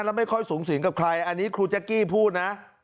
แล้วไม่ค่อยสูงสิงกับใครอันนี้ครูแจ๊กกี้พูดนะ